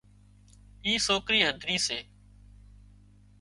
اي سوڪرِي هڌري سي